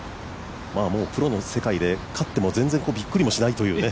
もうプロの世界で勝ってもびっくりもしないというね。